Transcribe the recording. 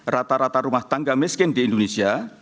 rata rata rumah tangga miskin di indonesia